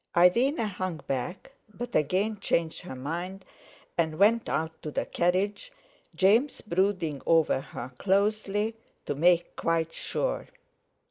Irene hung back, but again changed her mind, and went out to the carriage, James brooding over her closely, to make quite sure.